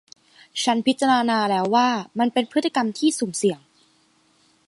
ฉันพิจารณาแล้วว่ามันเป็นพฤติกรรมที่สุ่มเสี่ยง